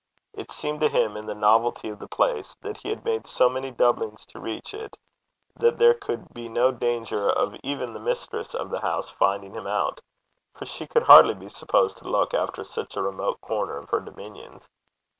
It seemed to him, in the novelty of the place, that he had made so many doublings to reach it, that there could be no danger of even the mistress of the house finding him out, for she could hardly be supposed to look after such a remote corner of her dominions.